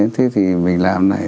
thế thì mình làm này